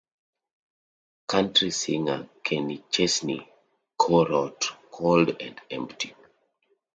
Country singer Kenny Chesney co-wrote "Cold and Empty".